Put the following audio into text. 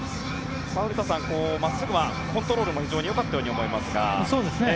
古田さん、まっすぐはコントロールも非常に良かったように思いますが。